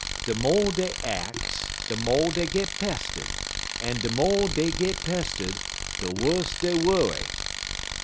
De mo' dey ax, de mo' dey git pestered, en de mo' dey git pestered, de wuss dey worry.